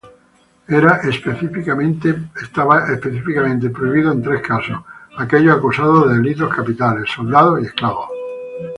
Era específicamente prohibido en tres casos: aquellos acusados de delitos capitales, soldados y esclavos.